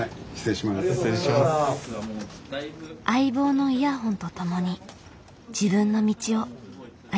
相棒のイヤホンとともに自分の道を歩んでいく。